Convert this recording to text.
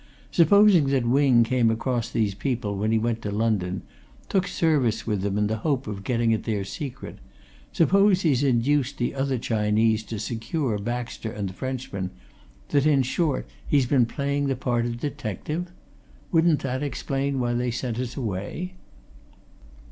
Supposing that Wing came across these people when he went to London; took service with them in the hope of getting at their secret; supposing he's induced the other Chinese to secure Baxter and the Frenchman that, in short, he's been playing the part of detective? Wouldn't that explain why they sent us away?"